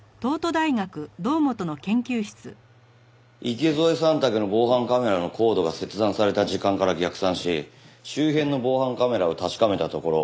池添さん宅の防犯カメラのコードが切断された時間から逆算し周辺の防犯カメラを確かめたところ